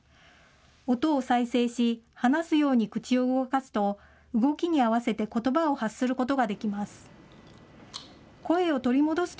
音を再生し、話すように口を動かすと、動きに合わせてことばを発することができます。